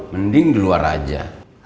mending di luar aja